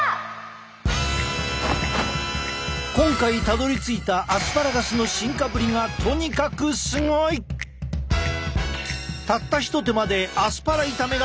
今回たどりついたアスパラガスの進化ぶりがとにかくすごい！たった一手間でアスパラ炒めが大変身！